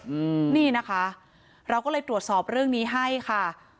อืมนี่นะคะเราก็เลยตรวจสอบเรื่องนี้ให้ค่ะ